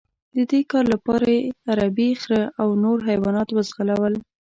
د دې کار لپاره یې عربي خره او نور حیوانات وځغلول.